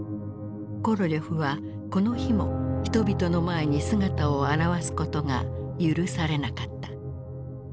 コロリョフはこの日も人々の前に姿を現すことが許されなかった。